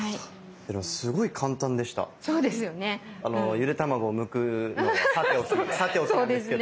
ゆで卵をむくのはさておきさておきなんですけど。